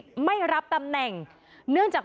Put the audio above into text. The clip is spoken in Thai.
ทีนี้จากรายทื่อของคณะรัฐมนตรี